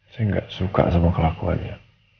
saya gak suka sama kelakuannya